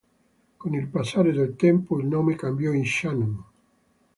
Con il passare del tempo il nome cambiò in "Shannon.